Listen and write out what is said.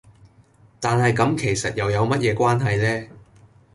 但係咁其實又有乜嘢關係呢?